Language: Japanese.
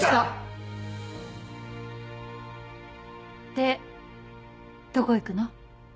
でどこ行くの？